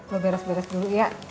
gue beres beres dulu ya